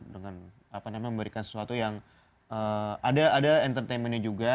dengan memberikan sesuatu yang ada entertainmentnya juga